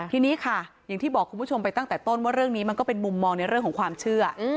ทีนี้ค่ะอย่างที่บอกคุณผู้ชมไปตั้งแต่ต้นว่าเรื่องนี้มันก็เป็นมุมมองในเรื่องของความเชื่อ